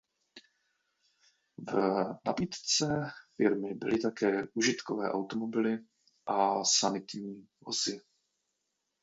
V nabídce firmy byly také užitkové automobily a sanitní vozy.